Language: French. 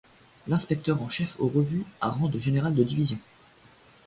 L'inspecteur en chef aux revues a rang de général de division.